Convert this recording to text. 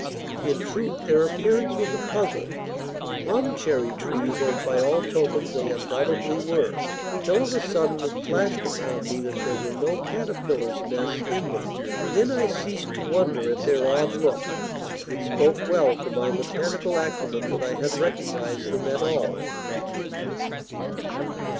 In truth, their appearance was a puzzle, rum cherry trees as by all tokens they undoubtedly were, till of a sudden it flashed upon me that there were no caterpillars' nests in them! Then I ceased to wonder at their odd look. It spoke well for my botanical acumen that I had recognized them at all.